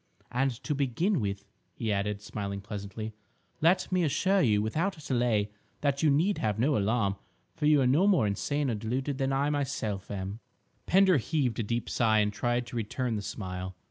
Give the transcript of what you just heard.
"And, to begin with," he added, smiling pleasantly, "let me assure you without delay that you need have no alarm, for you are no more insane or deluded than I myself am—" Pender heaved a deep sigh and tried to return the smile.